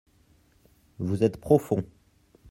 Vous êtes profond.